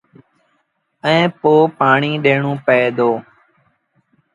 ائيٚݩ پو پآڻيٚ ڏيڻون پئي دو۔